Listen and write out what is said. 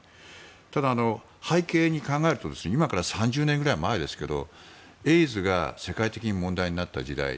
ただ、背景を考えると今から３０年ぐらい前ですがエイズが世界的に問題になった時代。